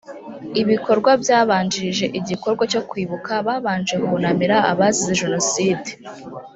ibikorwa byabanjirije igikorwa cyo kwibuka babanje kunamira abazize jenoside